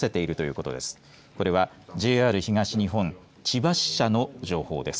これはＪＲ東日本千葉支社の情報です。